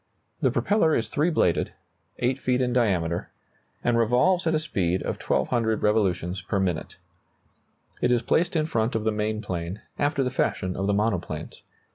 The propeller is three bladed, 8 feet in diameter, and revolves at a speed of 1,200 revolutions per minute. It is placed in front of the main plane, after the fashion of the monoplanes.